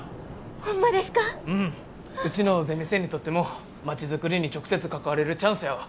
うちのゼミ生にとってもまちづくりに直接関われるチャンスやわ。